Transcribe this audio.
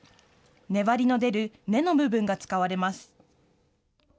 粘りの出る根の部分が使われます。